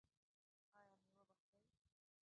ایا میوه به خورئ؟